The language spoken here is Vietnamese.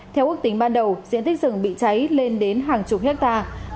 theo ước tính ban đầu diện tích rừng bị cháy lên đến hàng chục hectare